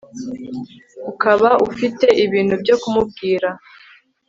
ukaba ufite ibintu byo kumubwira